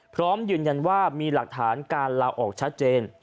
พร้อมยืนยันว่ามีหลักฐานการลาออกชัดเจน